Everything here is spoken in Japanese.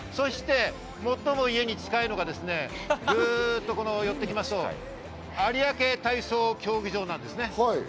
最も家に近いのがぐっと寄ってきますと有明体操競技場なんです。